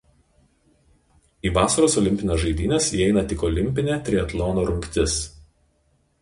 Į Vasaros Olimpines žaidynes įeina tik Olimpinė triatlono rungtis.